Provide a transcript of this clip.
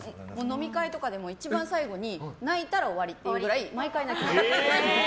飲み会とかでも一番最後に泣いたら終わりっていうぐらい毎回泣くんです。